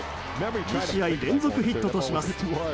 ２試合連続ヒットとします。